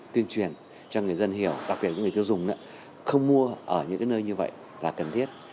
tuyên truyền cho người dân hiểu đặc biệt với người tiêu dùng không mua ở những nơi như vậy là cần thiết